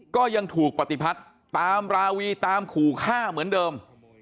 ก็ยังถูกปฏิพัฒน์ตามราวีตามขู่ฆ่าเหมือนเดิม